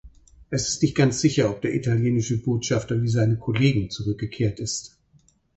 Es ist nicht ganz sicher, ob der italienische Botschafter wie seine Kollegen zurückgekehrt ist.